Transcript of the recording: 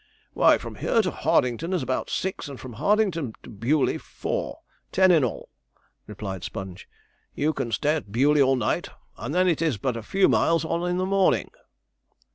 'Why, from here to Hardington is about six, and from Hardington to Bewley, four ten in all,' replied Sponge. 'You can stay at Bewley all night, and then it is but a few miles on in the morning.'